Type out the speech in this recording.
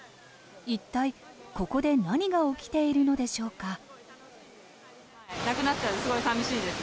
一体、ここで何が起きているのでしょうか。